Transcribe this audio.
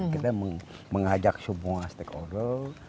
kita mengajak semua stakeholder